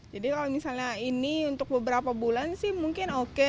kalau misalnya ini untuk beberapa bulan sih mungkin oke